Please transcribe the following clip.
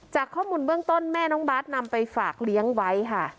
จากข้อมูลเบื้องต้นแม่น้องบาทนำไปฝากเลี้ยงไว้ค่ะ